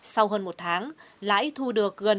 sau hơn một tháng lãi thu được sáu triệu sáu trăm linh nghìn đồng